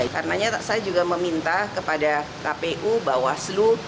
karena saya juga meminta kepada kpu bawaslu